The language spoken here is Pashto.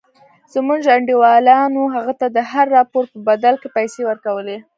زموږ انډيوالانو هغه ته د هر راپور په بدل کښې پيسې ورکولې.